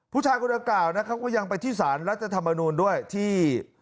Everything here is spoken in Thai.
ผู้ชายคนดังกล่าวนะครับก็ยังไปที่สารรัฐธรรมนูลด้วยที่